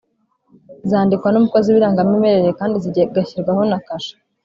Zandikwa n’umukozi w’irangamimerere kandi zigashyirwaho na kashe